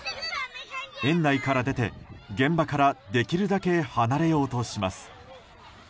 園内から出て、現場からできるだけ離れようとします。